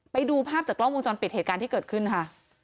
ไปดูภาพจากกล้องวงจรปิดเหตุการณ์ที่เกิดขึ้นค่ะ